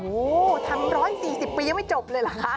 โอ้โหทำ๑๔๐ปียังไม่จบเลยเหรอคะ